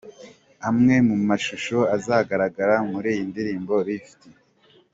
Amwe mu mashusho azagaragara muri iyi ndirimbo Lift:.